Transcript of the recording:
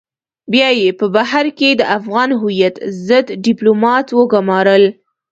بيا يې په بهر کې د افغان هويت ضد ډيپلومات وگمارل.